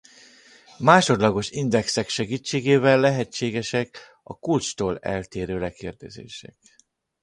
Másodlagos indexek segítségével lehetségesek a kulcstól eltérő lekérdezések.